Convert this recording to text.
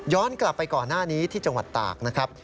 กลับไปก่อนหน้านี้ที่จังหวัดตากนะครับ